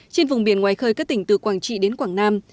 trên vùng biển ngoài khơi các tỉnh từ quảng trị đến quảng nam